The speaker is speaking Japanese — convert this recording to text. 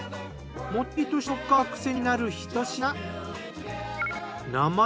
もっちりとした食感が癖になるひと品。